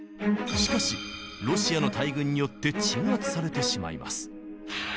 しかしロシアの大軍によって鎮圧されてしまいます。